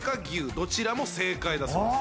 どちらも正解だそうです